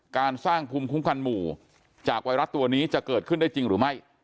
การสร้างภูมิคุ้มกันหมู่จากไวรัสตัวนี้จะเกิดขึ้นได้จริงหรือไม่